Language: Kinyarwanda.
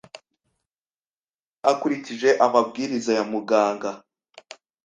Byaba byiza ukurikije amabwiriza ya muganga.